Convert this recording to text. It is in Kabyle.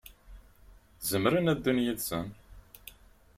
Zemren ad ddun yid-sen.